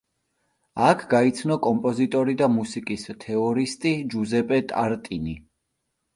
აქ გაიცნო კომპოზიტორი და მუსიკის თეორისტი ჯუზეპე ტარტინი.